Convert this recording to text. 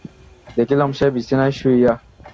দেখিলাম, সে বিছানায় শুইয়া।